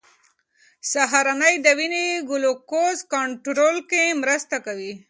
سهارنۍ د وینې ګلوکوز کنټرول کې مرسته کوي.